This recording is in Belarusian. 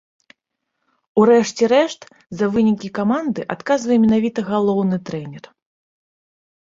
У рэшце рэшт, за вынікі каманды адказвае менавіта галоўны трэнер.